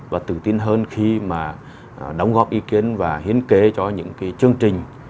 và tự tin hơn khi mà đóng góp ý kiến và hiến kế cho những chương trình